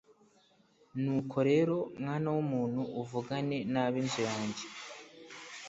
nuko rero mwana w’umuntu uvugane n’ab’ inzu yanjye